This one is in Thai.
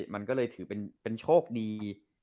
มันก็เลยถือเป็นโชคดี